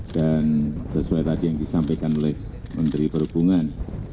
dan sesuai tadi yang disampaikan oleh menteri perhubungan